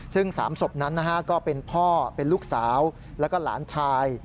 ซึ่ง๓ศพนั้นนะฮะก็เป็นพ่อเป็นลูกสาวแล้วก็หลานชาย